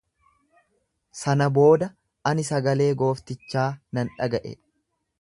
Sana booda ani sagalee gooftichaa nan dhaga'e.